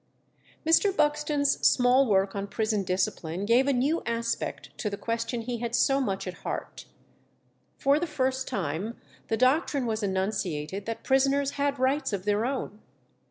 Mr. Buxton's small work on prison discipline gave a new aspect to the question he had so much at heart. For the first time the doctrine was enunciated that prisoners had rights of their own.